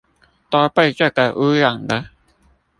都被這個污染了